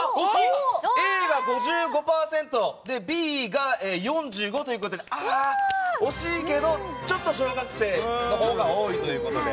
Ａが５５％Ｂが４５％ということで惜しいけどちょっと小学生のほうが多いということで。